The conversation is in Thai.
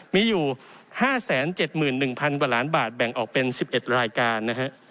มีอยู่๕๗๑๐๐กว่าล้านบาทแบ่งออกเป็น๑๑รายการนะฮะ